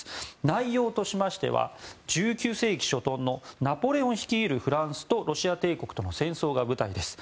内容としては１９世紀初頭のナポレオン率いるフランスとロシア帝国との戦争が舞台です。